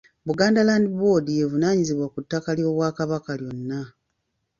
Buganda Land Board y'evunaanyizibwa ku ttaka ly'Obwakabaka lyonna.